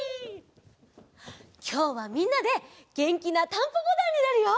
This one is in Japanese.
きょうはみんなでげんきな「タンポポだん」になるよ！